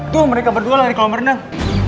tuh mereka berdua lari ke kolam berenang